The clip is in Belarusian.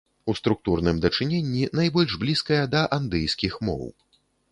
У структурным дачыненні найбольш блізкая да андыйскіх моў.